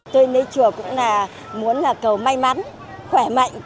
tới lễ chùa cũng là muốn là cầu may mắn khỏe mạnh